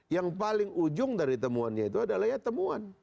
yang paling ujung dari temuannya itu adalah ya temuan